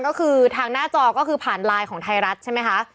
ก็คือทางหน้าจอก็คือผ่านไลน์ของไทยรัฐใช่ไหมคะ